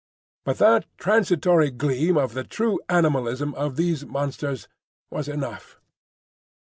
But that transitory gleam of the true animalism of these monsters was enough.